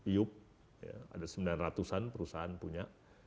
yup ada sembilan ratus an perusahaan punya